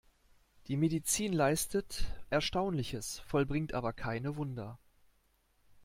Die Medizin leistet Erstaunliches, vollbringt aber keine Wunder.